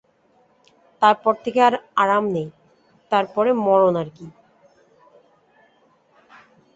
তার পর থেকে আর আরাম নেই, তার পরে মরণ আর-কি!